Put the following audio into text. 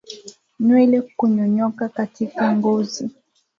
Nywele kunyonyoka katika ngozi